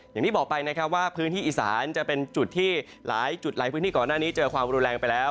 อย่างที่บอกไปนะครับว่าพื้นที่อีสานจะเป็นจุดที่หลายจุดหลายพื้นที่ก่อนหน้านี้เจอความรุนแรงไปแล้ว